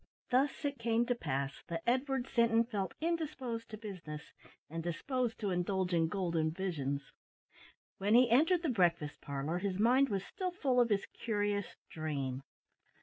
Thus it came to pass that Edward Sinton felt indisposed to business, and disposed to indulge in golden visions. When he entered the breakfast parlour, his mind was still full of his curious dream.